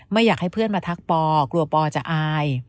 ไม่อยากให้เพื่อนมาทักปอกลัวปอจะอาย